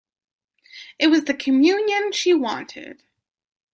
It was the communion she wanted.